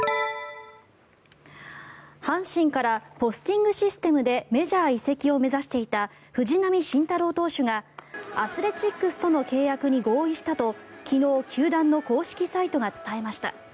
阪神からポスティングシステムでメジャー移籍を目指していた藤浪晋太郎投手がアスレチックスとの契約に合意したと昨日球団の公式サイトが伝えました。